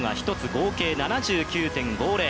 合計７９．５０。